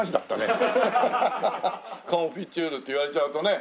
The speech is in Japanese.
コンフィチュールって言われちゃうとね。